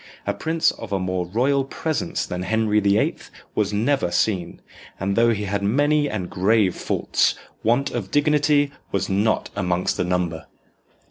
A prince of a more "royal presence" than Henry the Eighth was never seen, and though he had many and grave faults, want of dignity was not amongst the number.